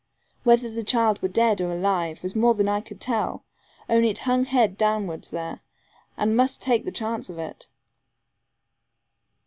Whether the child were dead, or alive, was more than I could tell, only it hung head downwards there, and must take the chance of it.